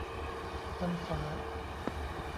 ชั้นฟ้า